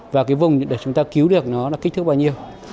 và cái vùng để chúng ta cứu được nó là kích thước bao nhiêu